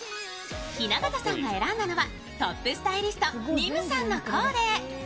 雛形さんが選んだのはトップスタイリストＮＩＭＵさんのコーデ。